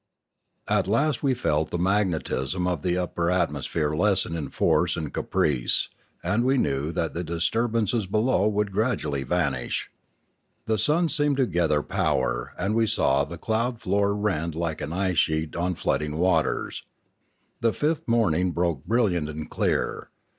At last we felt the magnetism of the upper atmo sphere lessen in force and caprice, and we knew that the disturbances below would gradually vanish. The sun seemed to gather power, and we saw the cloud floor rend like an ice sheet on flooding waters. The fifth morning broke brilliant and clear.